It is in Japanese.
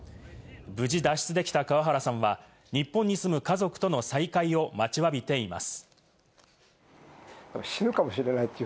無事脱出できた川原さんは日本に住む家族との再会を待ちわびています。